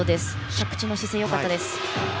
着地の姿勢よかったです。